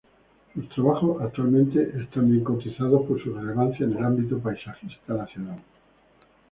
Sus trabajos actualmente son bien cotizados por su relevancia en el ámbito paisajista nacional.